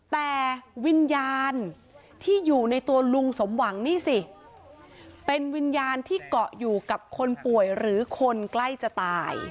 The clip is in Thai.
แต่วิญญาณที่อยู่ในตัวลุงสมหวังนี่สิเป็นวิญญาณที่เกาะอยู่กับคนป่วยหรือคนใกล้จะตาย